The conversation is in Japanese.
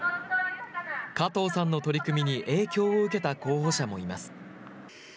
加藤さんの取り組みに影響を受けた候補者もいます。